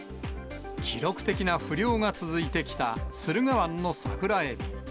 記録的な不漁が続いてきた駿河湾のサクラエビ。